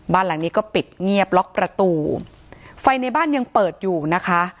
บ้านหลังนี้ก็ปิดเงียบล็อกประตูไฟในบ้านยังเปิดอยู่นะคะ